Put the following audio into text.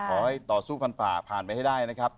ขอให้ต่อสู้ฟันฝ่าผ่านไปให้ได้นะครับ